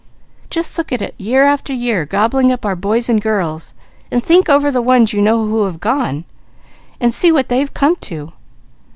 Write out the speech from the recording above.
Just look at it year after year gobbling up our boys and girls, and think over the ones you know who have gone, and see what they've come to.